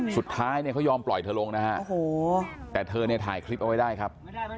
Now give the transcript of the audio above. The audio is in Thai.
สุดท้ายเขายอมปล่อยเธอลงนะฮะแต่เธอถ่ายคลิปเอาไว้ได้ครับ